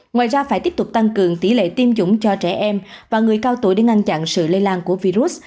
ngoài ra phải tiếp tục tăng cường tỷ lệ tiêm chủng cho trẻ em và người cao tuổi để ngăn chặn sự lây lan của virus